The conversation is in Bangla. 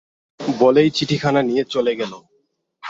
বলেই চিঠিখানা দিয়ে চলে গেল।